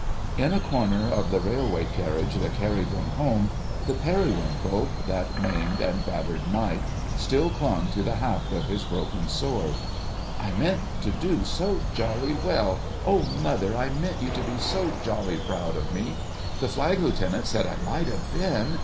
In a corner of the railway carriage that carried them home, the Periwinkle—that maimed and battered knight—still clung to the haft of his broken sword. "I meant to do so jolly well. Oh, mother, I meant you to be so jolly proud of me. The Flag Lieutenant said I might have been